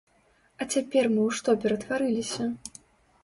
А цяпер мы ў што ператварыліся?